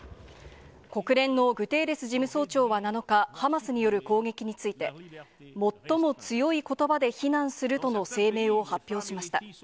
国連のグテーレス事務総長は７日、ハマスによる攻撃について、最も強いことばで非難するとの声明を発表しました。